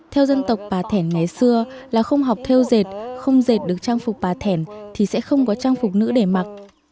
theo dân tộc bà thẻn ngày xưa là không học theo dệt không dệt được trang phục bà thẻn thì sẽ không có trang phục nữ để mặc